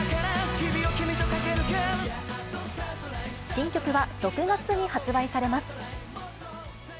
新曲は６月に発売されます。